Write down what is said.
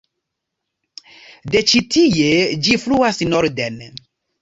De ĉi-tie ĝi fluas norden.